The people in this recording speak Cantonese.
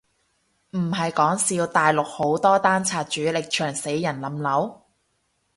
唔係講笑，大陸好多單拆主力牆死人冧樓？